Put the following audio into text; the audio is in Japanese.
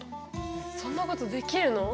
そんなことできるの？